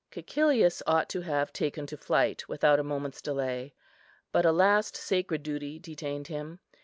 Cæcilius ought to have taken to flight without a moment's delay, but a last sacred duty detained him.